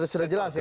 sudah jelas ya